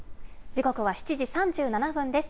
時刻は７時３７分です。